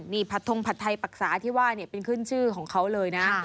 นี่ผัดทงผัดไทยปรักษาที่ว่าเป็นขึ้นชื่อของเขาเลยนะ